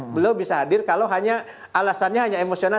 beliau bisa hadir kalau alasannya hanya emosional